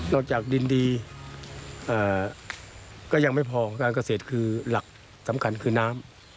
จากดินดีก็ยังไม่พอการเกษตรคือหลักสำคัญคือน้ำ